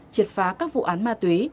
triệt phá các vụ án ma túy